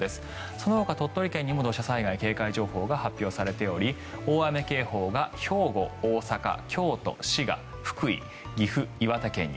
そのほか鳥取県にも土砂災害警戒情報が発表されており大雨警報が兵庫、大阪、京都、滋賀福井、岐阜、岩手県に。